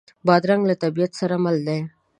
بادرنګ له طبیعت سره مل دی.